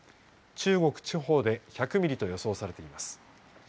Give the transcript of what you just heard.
中国地方で１００ミリと予想されています。